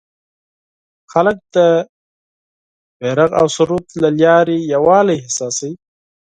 خلک د بیرغ او سرود له لارې یووالی احساسوي.